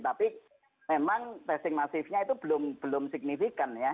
tapi memang testing masifnya itu belum signifikan ya